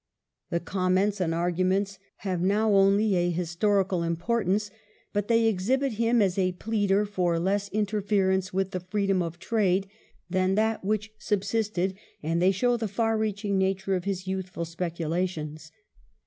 The comments and arguments have now only a historical importance, but they exhibit him as a pleader for less interference with the freedom of trade than that which subsisted, and they show the far reaching nature of his youthful speculations.